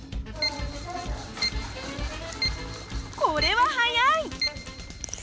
これは速い！